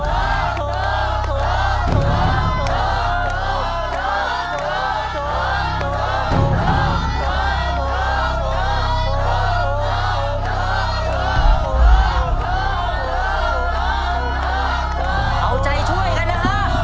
เอาใจช่วยกันนะฮะ